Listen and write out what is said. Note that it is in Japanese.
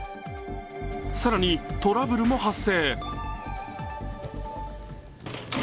更に、トラブルも発生。